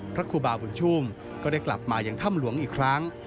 พระครูบาบุญชุ่มก็ได้กลับมายังถ้ำหลวงอีกครั้ง